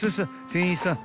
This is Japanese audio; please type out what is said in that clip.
店員さん